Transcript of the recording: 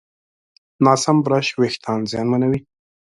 ناسم برش وېښتيان زیانمنوي.